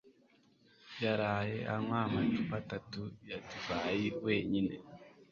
yaraye anywa amacupa atatu ya divayi wenyine